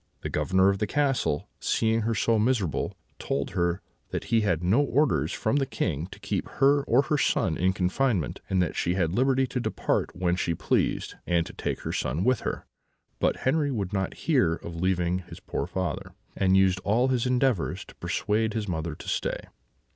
The Governor of the castle, seeing her so miserable, told her that he had no orders from the King to keep her or her son in confinement, and that she had liberty to depart when she pleased, and to take her son with her; but Henri would not hear of leaving his poor father, and used all his endeavours to persuade his mother to stay.